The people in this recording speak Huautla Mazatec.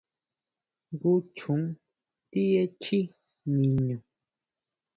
¿Jngu chjon ti echjí niñu?